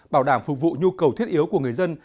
bảo đảm phục vụ nhu cầu thiết yếu của người dân